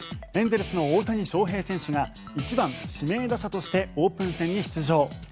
エンゼルスの大谷翔平選手が１番指名打者としてオープン戦に出場。